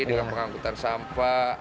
dengan pengangkutan sampah